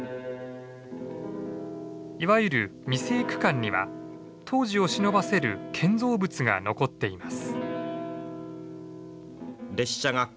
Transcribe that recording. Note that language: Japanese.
いわゆる未成区間には当時をしのばせる建造物が残っています。